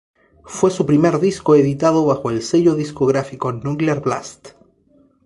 Fue su primer disco editado bajo el sello discográfico Nuclear Blast.